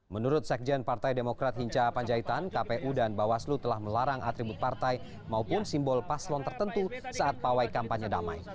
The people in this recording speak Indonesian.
menurut sekjen partai demokrat hinca panjaitan kpu dan bawaslu telah melarang atribut partai maupun simbol paslon tertentu saat pawai kampanye damai